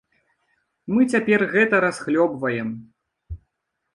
Мы цяпер гэта расхлёбваем.